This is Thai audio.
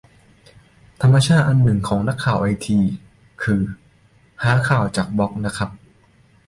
ธรรมชาติอันหนึ่งของนักข่าวไอที คือหาข่าวจากบล็อกนะครับ